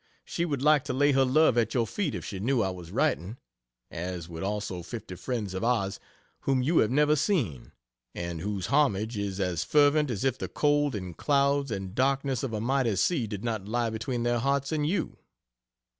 She would like to lay her love at your feet if she knew I was writing as would also fifty friends of ours whom you have never seen, and whose homage is as fervent as if the cold and clouds and darkness of a mighty sea did not lie between their hearts and you.